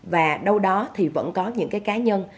và đâu đó thì vẫn có những cái cá nhân